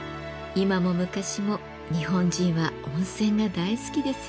今も昔も日本人は温泉が大好きですよね。